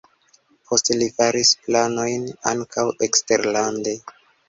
Poste li faris planojn ankaŭ eksterlande.